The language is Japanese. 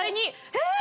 えっ！